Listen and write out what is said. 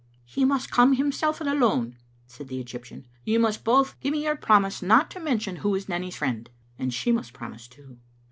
" He must come himself and alone," said the Egyp tian. "You must both give me your promise not to mention who is Nanny's friend, and she must promise too."